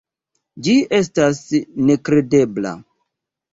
Ĝi estas nekredebla.